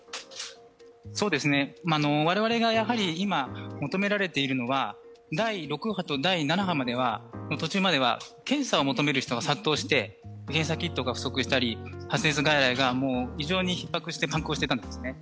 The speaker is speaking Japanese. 我々が今求められているのは、第６波と第７波の途中までは検査を求める人が殺到して検査キットが不足したり、発熱外来が非常にひっ迫していたんですね。